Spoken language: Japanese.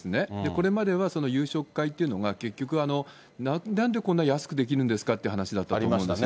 これまでは夕食会っていうのが、結局、なんでこんな安くできるんですかって話だったと思うんですよ。